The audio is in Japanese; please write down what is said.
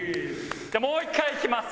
じゃあもう１回いきます。